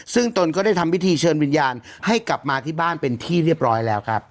ซึ่งตนก็ได้ทำพิธีเชิญวิญญาณให้กลับมาที่บ้านเป็นที่เรียบร้อยแล้วครับ